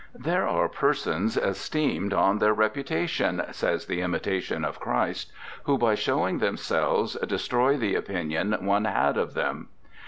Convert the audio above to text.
"There are persons esteemed on their reputation," says the "Imitation of Christ," "who by showing themselves destroy the opinion one had of them."